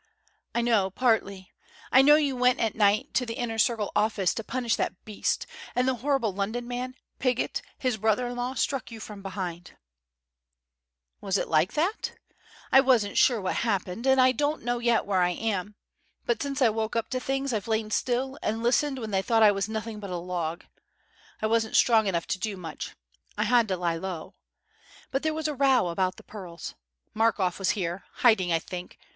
"I know partly. I know you went at night to the Inner Circle office to punish that Beast. And the horrible London man, Piggott his brother in law struck you from behind " "Was it like that? I wasn't sure what happened, and I don't know yet where I am. But since I woke up to things, I've lain still, and listened when they thought I was nothing but a log. I wasn't strong enough to do much. I had to lie low! But there was a row about the pearls. Markoff was here hiding, I think.